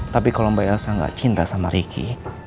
tapi kalau mbak elsa nggak cinta sama riki